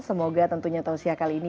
semoga tentunya tausiah kali ini